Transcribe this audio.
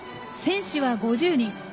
選手は５０人。